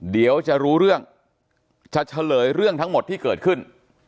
เดี๋ยวจะรู้เรื่องจะเฉลยเรื่องทั้งหมดที่เกิดขึ้น